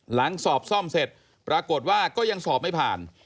สอบซ่อมเสร็จปรากฏว่าก็ยังสอบไม่ผ่าน